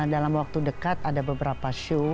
dalam waktu dekat ada beberapa show